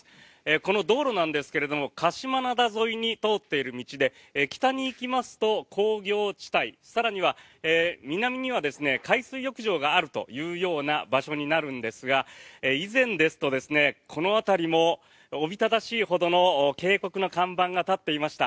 この道路なんですが鹿島灘沿いに通っている道で北に行きますと工業地帯更には南には海水浴場があるというような場所になるんですが以前ですとこの辺りもおびただしいほどの警告の看板が立っていました。